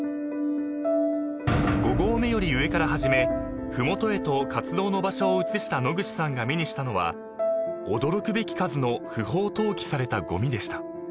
［５合目より上から始め麓へと活動の場所を移した野口さんが目にしたのは驚くべき数の不法投棄されたごみでした］